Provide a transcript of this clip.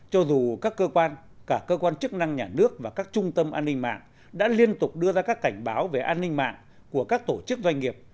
cho dù các cơ quan cả cơ quan chức năng nhà nước và các trung tâm an ninh mạng đã liên tục đưa ra các cảnh báo về an ninh mạng của các tổ chức doanh nghiệp